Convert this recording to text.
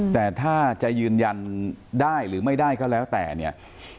แต่ถ้าจะยืนยันได้หรือไม่ได้ก็แล้วแต่เนี่ย